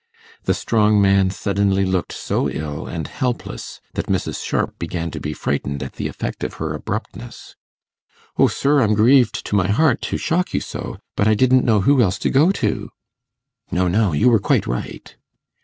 The strong man suddenly looked so ill and helpless that Mrs. Sharp began to be frightened at the effect of her abruptness. 'O, sir, I'm grieved to my heart to shock you so; but I didn't know who else to go to.' 'No, no, you were quite right.